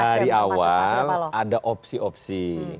dari awal ada opsi opsi